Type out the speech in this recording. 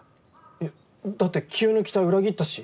えっだって清居の期待を裏切ったし。